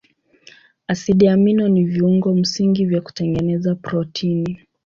Asidi amino ni viungo msingi vya kutengeneza protini.